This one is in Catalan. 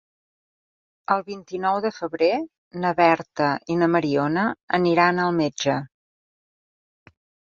El vint-i-nou de febrer na Berta i na Mariona aniran al metge.